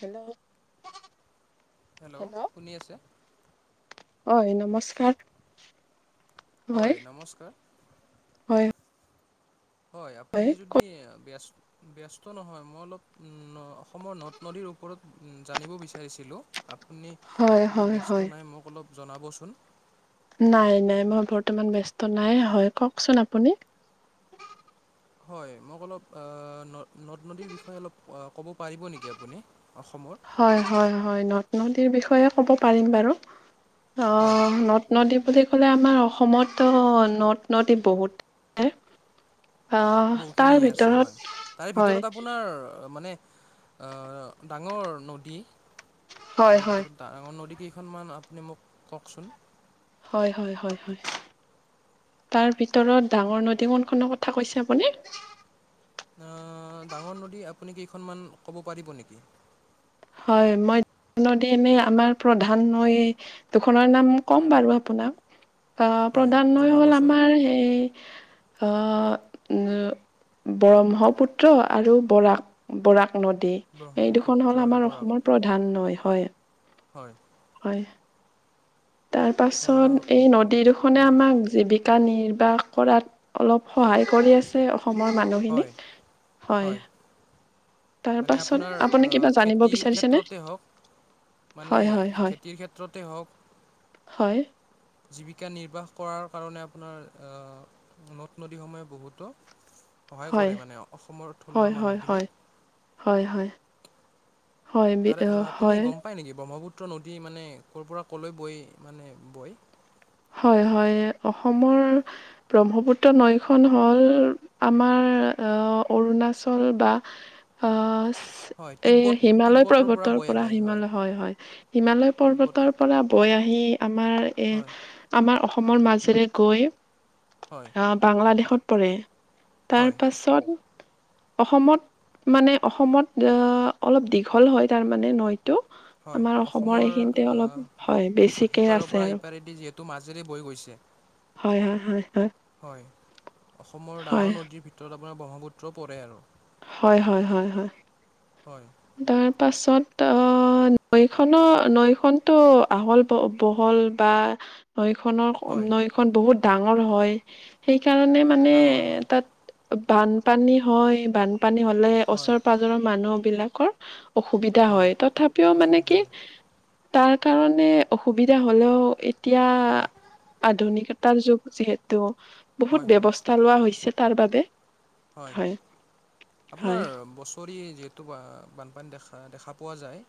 Hello hello শুনি আছে। হয় নমস্কাৰ হয় নমস্কাৰ হয় হয় আপুনি যদি ব্যস্ত ব্যস্ত নহয় মই অলপ অসমৰ নদ নদীৰ ওপৰত জানিব বিচাৰিছিলোঁ আপুনি হয় যদি হয় ব্যস্ত হয়। নাই মোক অলপ জনাবচোন। নাই নাই মই বৰ্তমান বস্ত নাই হয় কওকচোন আপুনি। হয়, মোক অলপ ন নদ নদীৰ বিষয়ে অলপ ক'ব পাৰিব নেকি আপুনি। অসমৰ হয় হয় হয় নদ নদীৰ বিষয়ে ক'ব পাৰিম বাৰু। অ হয় নদ নদী বুলি আমাৰ অসমতো নদ নদী বহুত আহ তাৰ বহুখিনিয়ে আছে ভিতৰত হয় তাৰে হয় ভিতৰত আপোনাৰ মানে আহ ডাঙৰ নদী হয় তাৰে হয় ভিতৰত ডাঙৰ নদী কেইখনমান আপুনি মোক কওকচোন হয় হয় হয় তাৰ ভিতৰত ডাঙৰ নদী কণখনৰ কথা কৈছে আপুনি ডাঙৰ নদী আপুনি কেইখনমান ক'ব পাৰিব নেকি হয় মই নদী এনেই আমাৰ প্ৰধান নৈ দুখনৰ নাম ক'ম বাৰু আপোনাক আহ হয় প্ৰধানই হ'ল জনাবচোন আমাৰ হেই ব্ৰহ্মপুত্ৰ আৰু বৰাক বৰাক নদী এই দুখন ব্ৰহ্মপুত্ৰ হ'ল আৰু আমাৰ বৰাক অসমৰ প্ৰধান নৈ হয়। হয় হয়। তাৰ আহ, পাছত এই নদী দুখনে হয় আমাক জীৱিকা নিয়ে নি্বাহ কৰাত অলপ সহায় কৰি আছে অসমৰ হয় মানুহখিনিক হয় তাৰ মানে আপোনাৰ পাছত আপুনি আহ, কিবা জানিব খেতিৰ বিচাৰিছেনে ক্ষেত্ৰতে হওক মানে হয় হয় হয় খেতিৰ ক্ষেত্ৰতে হওক হয় জীৱিকা নিৰ্বাহ কৰাৰ কাৰণে আপোনাৰ নদ নদীসমূহে বহুতো সহায় হয় কৰে মানে অসমৰ থলুৱা হয় হয় মানুহখিনিক হয় হয় হয় তাৰে হয় আপুনি হয় গম পায় নেকি ব্ৰহ্মপুত পুত্ৰ নদী মানে ক'ৰ পৰা ক'লৈ বৈ মানে বৈ হয় হয়। অসমৰ ব্ৰহ্মপুত্ৰ নৈখন হ'ল আমাৰ অণ হয় এই তিব্বত হিমালয় তিব্বতৰ পৰ্বতৰ বৈ পৰা আহে হিমালয় হয় হয় হিমালয় তিব্বত পৰ্বতৰ পৰা বৈ আহি আহি আমাৰ এ হয় আমাৰ অসমৰ মাজেৰে গৈ হয়, আহ বাংলাদেশত পৰে তাৰ হয়, পাছত অসমত মানে অসমত আহ অলপ দীঘল হয় তাৰ মানে ন আমাৰ অসমৰ এইখিনিতে অলপ হয় বেছিকে আছে আৰু তটো মাজেৰে বৈ গৈছে হয় হয়। হয় অসমৰ হয়। ডাঙৰ নদীৰ ভিতৰত আপোনাৰ ব্ৰহ্মপুত্ৰ পৰে আৰু হয় হয় হয় হয়। হয়, তাৰ পাছত আহ অ নৈ খনৰ নৈখনতো আহল ব বহল বা নৈখনৰ হয়, নৈখন বহুত ডাঙৰ হয় সেইকাৰণে মানে ডাঙৰ হয়, তাত বানপানী হয় বানপানী হলে হয়, ওচৰ পাজৰৰ মানুহ বিলাকৰ অসুবিধা হয় তথাপিও মানে অসুবিধা কি হয়, তাৰ কাৰণে অসুবিধা হলেও এতিয়া হয় আধুনিকতাৰ যুগ যিহেতু হয়, বহুত হয়, ব্যৱস্থা লোৱা হৈছে তাৰ বাবে। হয় হয় আপোনাৰ বছৰি যিহেতু বানপানী দেখা দেখা পোৱা যায়।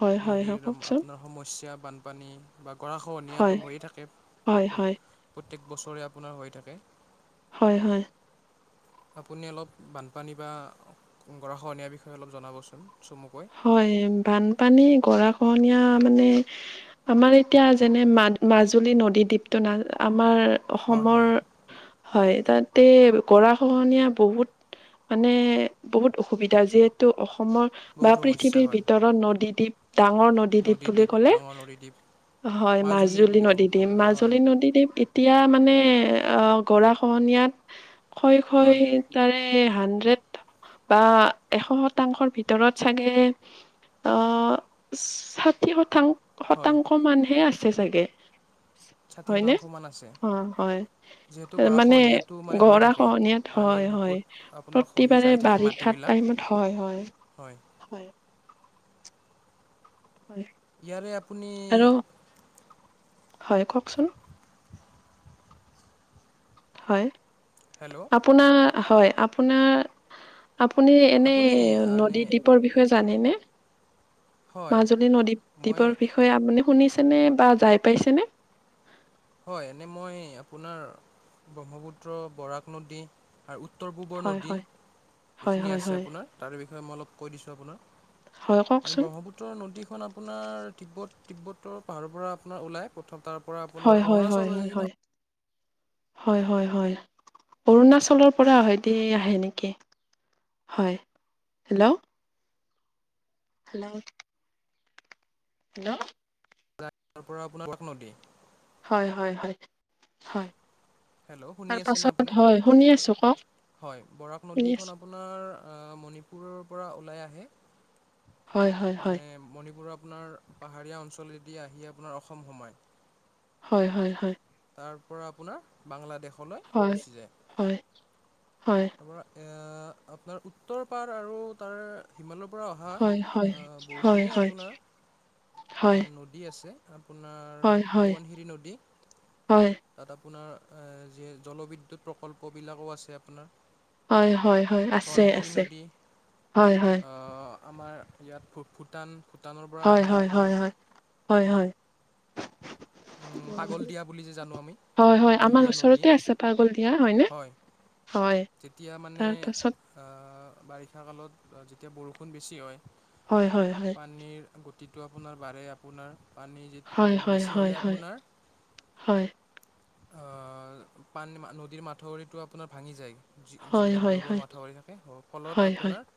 হয় হয় হয় নদীৰ কওকচোন আপোনাৰ সমস্যা বানপানী বা গৰা হয় খহনীয়াটো হৈয়ে থাকে। হয়, হয়, প্ৰত্য বছৰে আপোনাৰ হৈ থাকে। হয় হয়। আপুনি অলপ বানপানী বা গৰখহনীয়াৰ বিষয়ে অলপ জনাবচোন। চমুকৈ। হয়। বানপানী গৰা খহনীয়া মানে আমাৰ এতিয়া যেনে মাজ মাজুলী নদী দ্বীপটো না আমাৰ হয় অসমৰ হয় হয় তাত তে গৰা খহনীয়া বহুত মানে বহুত অসুবিধা যিহেতু অসমৰ বা বহুত সমস্যা পৃথিৱীৰ হয় ভিতৰত নদীদ্বীপ ডাঙৰ নদীদ্বীপ বুলি কলে ডাঙৰ নদীদ্বীপ হয় মাজুলী বুলি গম নদী পাওঁ দিম আমি হয় মাজুলী নদী দিম এতিয়া এতিয়া মানে অ' গৰা খহনীয়াত খয় খয় হয় তাৰে হাণ্ড্ৰেড বা এশ শতাংশৰ ভিতৰত। চাগে অ' ষাঠি শতাং হয় শতাংশ মানুহে আছে। চ চাগে [unintelligible] হয় ন? শতাংশমান আছে অ' হয় যিহেতু মানে গৰাখহনীয়াটো মানে হৈ গৰা থাকে খহনীয়াত পানীৰ হয় হয় বুকুত আপোনাৰ খহি প্ৰতিবাৰে যাই থাকে বাৰিষাত মাটিবিলাক টাইম হয় হয়। হয়। হয় ইয়াৰে আপুনি আৰু হয় কওকচোন হয় হেল্ল' আপোনাৰ হয় আপোনাৰ আপুনি এনে আপুনি এনে নদী দ্বীপৰ বিষয়ে জানেনে হয় মাজুলী নদী মই দ্বীপৰ বিষয়ে মানে শুনিছেনে বা যাই পাইছেনে? হয় এনে মই আপোনাৰ ব্ৰহ্মপুত্ৰ বৰাক নদী আৰু উত্তৰ পূবৰ হয় নদী হয় হয় এইখিনি হয় আছে হয় আপোনাৰ তাৰে বিষয়ে মই অলপ কৈ দিছোঁ আপোনাক। হয় কওকচোন ব্ৰহ্মপুত্ৰৰ নদী খন আপোনাৰ তিব্বত তিব্বতৰ পাহাৰৰ পৰা আপোনাৰ ওলাই প্ৰথম তাৰ পৰা আপোনাৰ হয় হয় অৰুণাচল হয় হৈ হয় কিনে হয় যায় হয় হয় হয়। অৰুণাচলৰ পৰা হয় দ আহে নেকি হয়। হেল্ল' হেল্ল' হেল্ল' তাৰ পৰা আপোনাৰ তাক নদী হয় হয় হয়। হেল্ল' শুনি তাৰ আছেনে পাছত আপুনি হয় শুনি আছো কওক হয় বৰাক শুনি নদীখন আছো আপোনাৰ মণিপুৰৰ পৰা ওলাই আহে। হয় হয় হয় মানে মণিপুৰৰ আপোনাৰ পাহাৰীয়া অঞ্চলেদি আহি আপোনাৰ অসম সোমাই হয় হয় হয় তাৰ পৰা আপোনাৰ বাংলাদেশলৈ হয় গুচি যায়। হয় হয়। তাৰপৰা আপোনাৰ উত্তৰ পাৰ আৰু তাৰ হিমালয় পৰা অহা হয় হয় হয় বহুখিনিয়ে হয় আপোনাৰ হয় নদী আছে আপোনাৰ হয় হয় সোৱনশিৰি নদী হয় তাত আপোনাৰ [inaudible] যি জলবিদ্যুৎ প্ৰকল্পবিলাকো আছে আপোনাৰ হয় হয় হয়। আছে ধনশিৰি আছে নদী হয় আমাৰ ইয়াত ভূটান ভূটানৰ পৰা হয় আহে হয় আপোনাৰ হয় হয় হয় হয়। [unintelligible] পাগলদিয়া বুলি যে জানো আমি হয় হয় আমাৰ পাগলদিয়া নদী ওচৰতে আছে পাগল দিয়া হয়নে? হয় হয়, যেতিয়া মানে তাৰ পাছত আ বাৰিষা কালত যেতিয়া বৰষুণ বেছি হয় হয়, হয়, হয়, পানীৰ টো আপোনাৰ বাৰে আপোনাৰ পানী হয় হয় বেছি হয় হ'লে হয় হয়। অ পান নদীৰ মাঠউৰিতটো আপোনাৰ ভাঙি যায়। হয়, যিবিলাক হয়, দুৰ্বল হয়, মাথাউৰি থাকে ফলত হয়, হয়, হয়। আপোনাৰ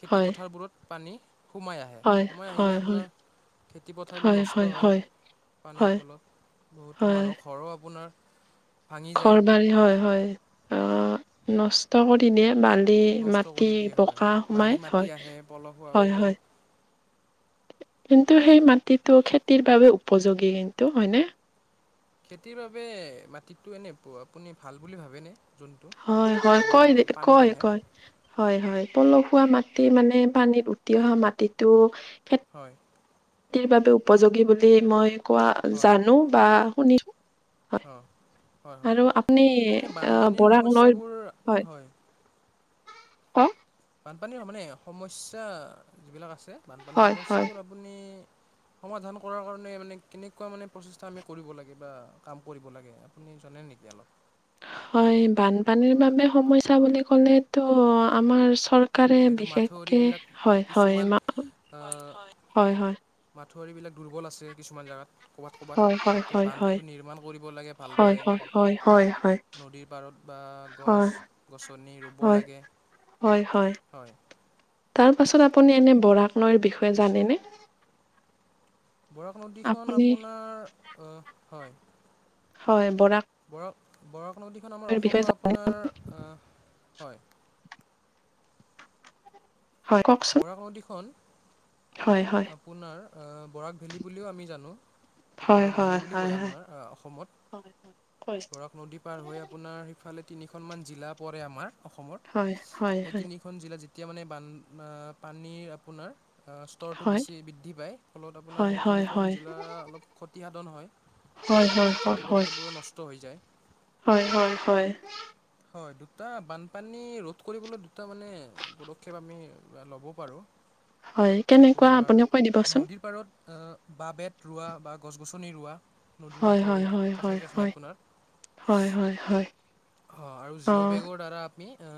খেতি হয়, পথাৰবোৰত পানী সোমাই আহে, হয়, সোমাই হয়, আহিলে আপোনাৰ খেতি পথাৰবোৰ নষ্ট হয়। পানীৰ হয়, ফলত বহুতো হয়, মানুহ ঘৰো আপোনাৰ ভাঙি যায় ঘৰ বাৰী হয় হয় অ নষ্ট কৰি দিয়ে বান নষ্ট কৰি দিয়ো হয় বালি হয়, মাটি আহে পলস হয়, হয়। একদম। কিন্তু সেই মাটিটো খেতিৰ বাবে উপযোগী কিন্তু হয়নে? খেতিৰ বাবে মাটিতটো এনে আপুনি ভাল বুলি ভাবেনে? যোনটো হয় হয় ন পানীত কয় আহে কয় হয় হয়। পলসুৱা মাটি মানে পানীত উটি অহা মাটিতটো হয়। খতিৰ বাবে উপযোগী বুলি মই কোৱা জানো বা শুনিছো। হয় অ হয় হয় আৰু আপুনি এনে আহ বানপানীৰ বৰাক সমস্যাবোৰ হয়। ক [unintelligible] বানপানীৰ মানে সমস্যা যিবিলাক আছে বানপানীৰ হয় হয় সমস্যাবোৰ আপুনি সমাধান কৰাৰ কাৰণে মানে কেনেকুৱা মানে প্ৰচেষ্টা আমি কৰিব লাগে বা কাম কৰিব লাগে? আপুনি জনে নেকি অলপ? হয় বানপানীৰ বাবে সমস্যা বুলি ক'লেতো আমাৰ চৰকাৰ কাৰে যিহেতু বিশেষকে মাথাউৰিবিলাক হয় হয় কিছুমান হয় হয়। মাথাৰিবিলাক দুৰ্বল আছে কিছুমান জেগাত। ক'বাত হয় ক'বাত হয় তাতে হয় হয় বান্ধটো নিৰ্মাণ কৰিব লাগে হয় ভালদৰে হয় হয় হয় হয় নদীৰ পাৰত। বা গছ হয় গছনি ৰুব হয় লাগে। হয় হয় হয় তাৰ পাছত আপুনি এনে বৰাক নৈৰ বিষয়ে জানেনে? বৰাক নদীখন আপুনি আপোনাৰ ও হয়। হয় বৰাক বৰাক বৰাক নদীখন আমাৰ নৈৰ বিষয়ে অসমৰ জা আপোনাৰ হয়। হয় কওকচোন বৰাক নদীখন হয় হয় আপোনাৰ বৰাক ভেলী বুলিও আমি জানো। হয় বৰাক হয় ভেলী বুলি হয় কয় আপোনাৰ অসমত। হয় হয় বৰাক নদী পাৰ হৈ আপোনাৰ সিফালে তিনিখন মান জিলা পৰে আমাৰ। অসমত হয় হয় সেই হয় তিনিখন জিলাত যেতিয়া মানে বান পানীৰ আপোনাৰ স্তৰটো হয় বেছি বৃদ্ধি পায় ফলত আপোনাৰ হয় সেই হয় তিনিখন হয় জিলা অলপ ক্ষতিসাধন হয়। হয় ফলত হয় খেতি হয় পথাৰবোৰো নষ্ট হৈ যায় হয় হয় হয়। হয় দুটা বানপানী ৰোধ কৰিবলৈ দুটা মানে পদক্ষেপ আমি ল'ব পাৰোঁ। হয় কেনেকুৱা আপোনাৰ আপুনি কৈ দিবচোন। নদীৰ পাৰত বাঁহ বেত ৰোৱা বা গছ গছনি ৰোৱা। নদীৰ হয় হয় মাথাউৰিৰ হয় কাষে হয় কাষে হয় আপোনাৰ হয় হয় হয়। অ জিঅ' বেগৰ দ্বাৰা আমি এ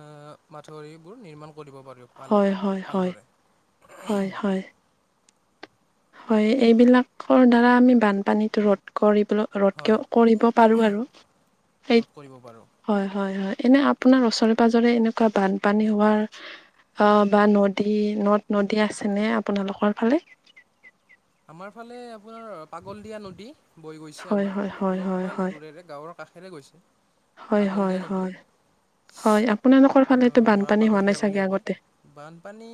মাথাউৰিবোৰ নিৰ্মাণ কৰিব পাৰি পালে হয় হয় হয় ভালদৰে হয় হয় হয় এইবিলাকৰ দ্বাৰা আমি বানপানীটো ৰধ কৰিব ৰধ কে হয় ৰধ কৰিব পাৰোঁ আৰু সেই ৰোধ কৰিব পাৰোঁ হয় হয় হয় এনে আপোনাৰ ওচৰে পাজৰে এনেকুৱা বানপানী হোৱাৰ অহ বা নদী নদ নদী আছেনে আপোনালোকৰ ফালে আমাৰ ফালে আপোনাৰ পাগল দিয়া নদী বৈ গৈছে হয় হয় আমাৰ হয় হয় অলপমান হয় দূৰেৰে গাঁৱৰ কাষেৰে গৈছে হয় হয় পাগলদিয়া নদী হয় হয় আপোনালোকৰ ফালেতো মৰা বানপানী হোৱা নাই পাগলদিয়া চাগে বুলিও কয় আগতে বানপানী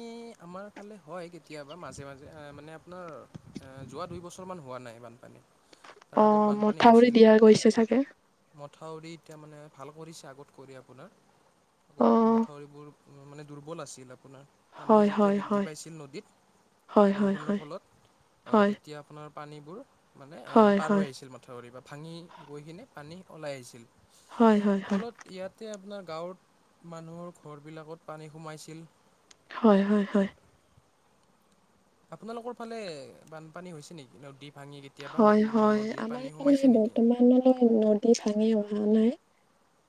আমাৰ ফালে হয় কেতিয়াবা মাজে মাজে মানে আপোনাৰ যোৱা দুই বছৰমান হোৱা নাই বানপানী তাৰ অ আগত বানপানী মথাউৰি হৈছিল দিয়া গৈছে চাগে মথাউৰি এতিয়া মানে ভাল কৰিছে আগত কৰি আপোনাৰ অ আগত মথাউৰিবোৰ মানে দুৰ্বল আছিলে আপোনাৰ পানী হয় যেতিয়া হয় বৃদ্ধি হয় পাইছিল নদীত হয় হয় বৰষুণৰ হয় ফলত অহ হয় তেতিয়া আপোনাৰ পানীবোৰ মানে হয় হয় পাৰ হৈ হয় আহিছিল মথাউৰি পা ভাঙি গৈ কিনি পানী ওলাই আহিছিল হয় হয় ফলত ইয়াতে আপোনাৰ গাঁৱত মানুহৰ ঘৰবিলাকত পানী সোমাইছিল হয় হয় হয় আপোনালোকৰ ফালে বানপানী হৈছে নেকি নদীত হয় হয় আমাৰ ফালে নেকি বৰ্তমানলৈ নদী ভাঙিব হোৱা নাই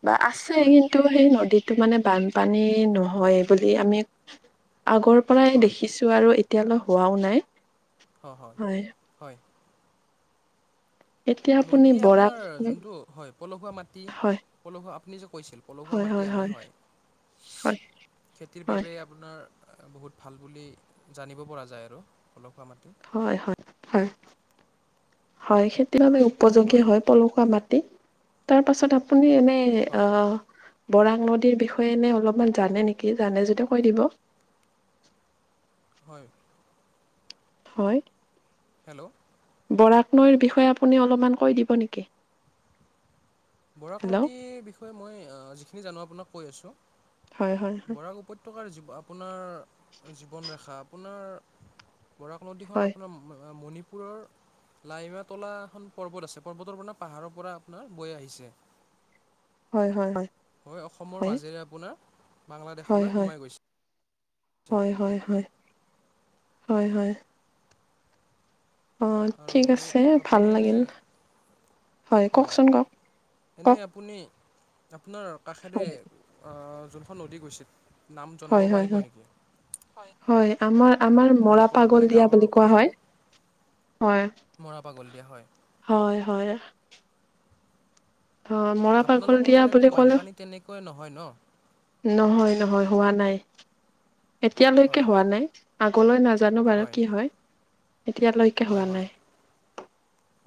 বা আছে হয় কিন্তু সেই নদীতো মানে বানপানী নহয় বুলি আমি আগৰ পৰাই হয় দেখিছোঁ আৰু এতিয়ালৈ হোৱাও নাই অ হয় হয় এতিয়া আপুনি নদীয়ে বৰাক আপোনাৰ যোনটো হয় পলসুৱা মাটি হয় পলসুৱা আপুনি কৈছিল পলসুৱা মাটি আনে হয় হয় খেতিৰ হয় বাবে আপোনাৰ বহুত ভাল বুলি জানিব পৰা যায় আৰু পলসুৱা মাটি হয় হয় হয় হয় খেতিৰ বাবে উপযোগী হয় পলসুৱা মাটি তাৰপাছত আপুনি এনেই হয় আহ বৰাক নদীৰ বিষয়ে এনে অলপমান জানে নেকি জানে যদি কৈ দিব হয়। হয়। হেল্ল' বৰাক নৈৰ বিষয়ে আপুনি অলপমান কৈ দিব নেকি? বৰাক হেল্ল' নদীৰ বিষয়ে মই যিখিনি জানো আপোনাক কৈ আছো। হয় হয় হয় বৰাক উপত্যকাৰ‌ জীৱ আপোনাৰ জীৱন ৰেখা আপোনাৰ বৰাক নদীখন হয় আপোনাৰ মণিপুৰৰ লাইমা তলা এখন পৰ্বত আছে পৰ্বতৰ পৰা পাহাৰৰ পৰা আপোনাৰ বৈ আহিছে। হয় হয় হয় হয় অসমৰ হয় মাজেৰে আপোনাৰ হয় বাংলাদেশলৈ হয় সোমাই গৈছে। হয় হয় হয় হয় হয়। অ আৰু ঠিক আছে ভাল আপুনি এনে লাগিল। হয় কওকচোন কওক এনে কওক। আপুনি আপোনাৰ কাষেৰে হয়। যোনখন নদী গৈছে। নাম জনাব হয়, হয়, পাৰিব হয়, নেকি? হয় আমাৰ আমাৰ মৰা আপোনালোকৰ পাগল মানে দিয়া গাঁৱৰ বুলি কোৱা হয়। কাষেৰে মৰা পাগল দিয়া হয় হয় হয়। অ', মৰা পাগল আপোনালোকৰ দিয়া বুলি ফালে‌টো ক'লে বানপানী তেনেকুৱাই নহয় ন। নহয় নহয় হোৱা নাই এতিয়ালৈকে হয় হোৱা নাই আগলৈ নাযা জানো বাৰু কি হয়। এতিয়ালৈকে হয় হোৱা হয় নাই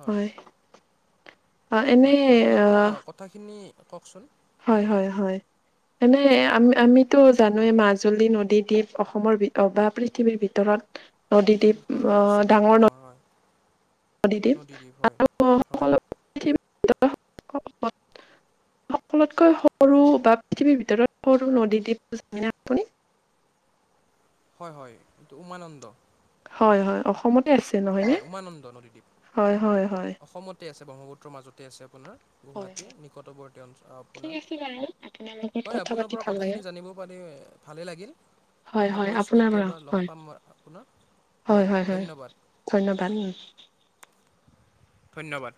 হয়। অ', এনে হয় আপোনাৰ পৰা অ' কথাখিনি কওকচোন। হয় হয় হয়। এনে আমি আমিতো জানোয়ে মাজুলী নদী দ্বীপ অসমৰ বা পৃথিৱীৰ ভিতৰত [inaudible] নদীদ্বীপ হয় হয় বিশ্ববিদ্যুত ডাঙৰ নদী। হয় নদী দ্বীপ নদীদ্বীপ হয় হয় [unintelligible] সকলোতকৈ সৰু বা পৃথিৱীৰ ভিতৰত সৰু নদী দ্বীপটো জানেনে আপুনি? হয় হয় এইটো উমানন্দ। হয় হয় অসমতে আছে নহয় নে হয় উমানন্দ হয় হয় হয়। ব্ৰহ্মপুত্ৰ মাজতে আছে আপোনাৰ। হয় গুৱাহীৰ হয় নিকতৱৰ্তী অঞ্চ ঠিক আপোনাৰ আছে বাৰু আপোনাৰ লগত হয় কথা আপোনাৰ পাতি পৰা ভাল কথাখিনি লাগিল। জানিব পাৰি ভালেই লাগিল হয় আশা হয় কৰিছোঁ আপোনাৰ পৰা কেতিয়াবা লগ হয় পাম মই আপোনাক। হয় ধন্যবাদ। ধন্যবাদ উম। ধন্যবাদ।